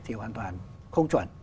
thì hoàn toàn không chuẩn